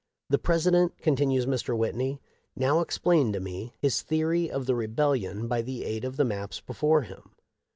" The President," continues Mr. Whitney, " now explained to me his theory of the Rebellion by the aid of the maps before him.